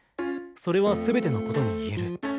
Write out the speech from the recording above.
それは全てのことに言える。